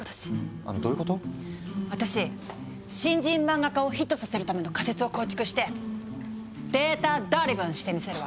私新人漫画家をヒットさせるための仮説を構築してデータドリブンしてみせるわ。